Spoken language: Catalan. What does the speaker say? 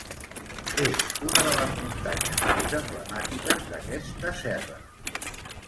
És una de les muntanyes més emblemàtiques d'aquesta serra.